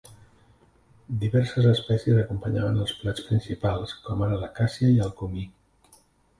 Diverses espècies acompanyaven els plats principals, com ara la càssia i el comí.